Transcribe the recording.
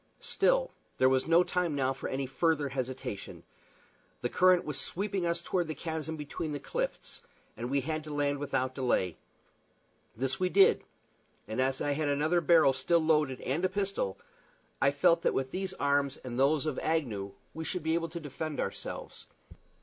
Still, there was no time now for any further hesitation. The current was sweeping us toward the chasm between the cliffs, and we had to land without delay. This we did, and as I had another barrel still loaded and a pistol, I felt that with these arms and those of Agnew we should be able to defend ourselves.